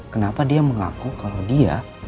kenapa dia mengaku kalau dia